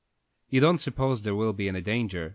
"You don't suppose there will be any danger?"